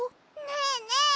ねえねえ